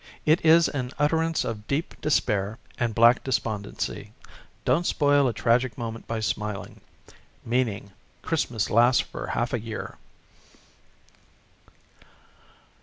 It is an utterance of deep dispair and black despondency. Don't spoil a tragic moment by smiling. Meaning: "Christmas lasts for half a year."